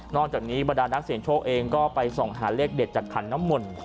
จากนี้บรรดานักเสียงโชคเองก็ไปส่องหาเลขเด็ดจากขันน้ำมนต์